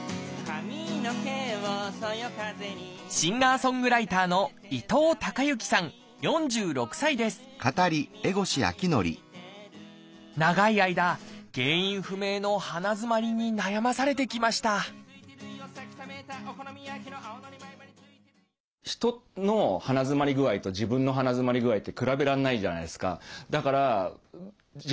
シンガー・ソングライターの長い間原因不明の鼻づまりに悩まされてきました人の鼻づまり具合と自分の鼻づまり具合って比べられないじゃないですか。